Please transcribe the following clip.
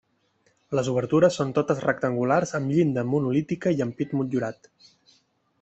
Les obertures són totes rectangulars amb llinda monolítica i ampit motllurat.